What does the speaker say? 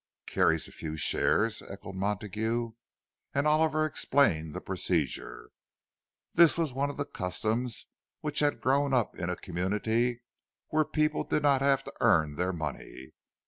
"Carries a few shares?" echoed Montague, and Oliver explained the procedure. This was one of the customs which had grown up in a community where people did not have to earn their money.